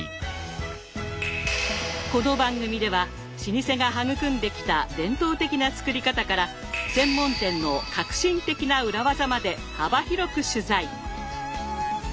この番組では老舗が育んできた伝統的な作り方から専門店の革新的な裏技まで幅広く取材。